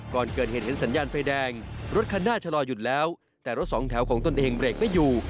ก่อนเกิดเหตุเห็นสัญญาณไฟแดงรถคันหน้าชะลอหยุดแล้วแต่รถสองแถวของตนเองเบรกไม่อยู่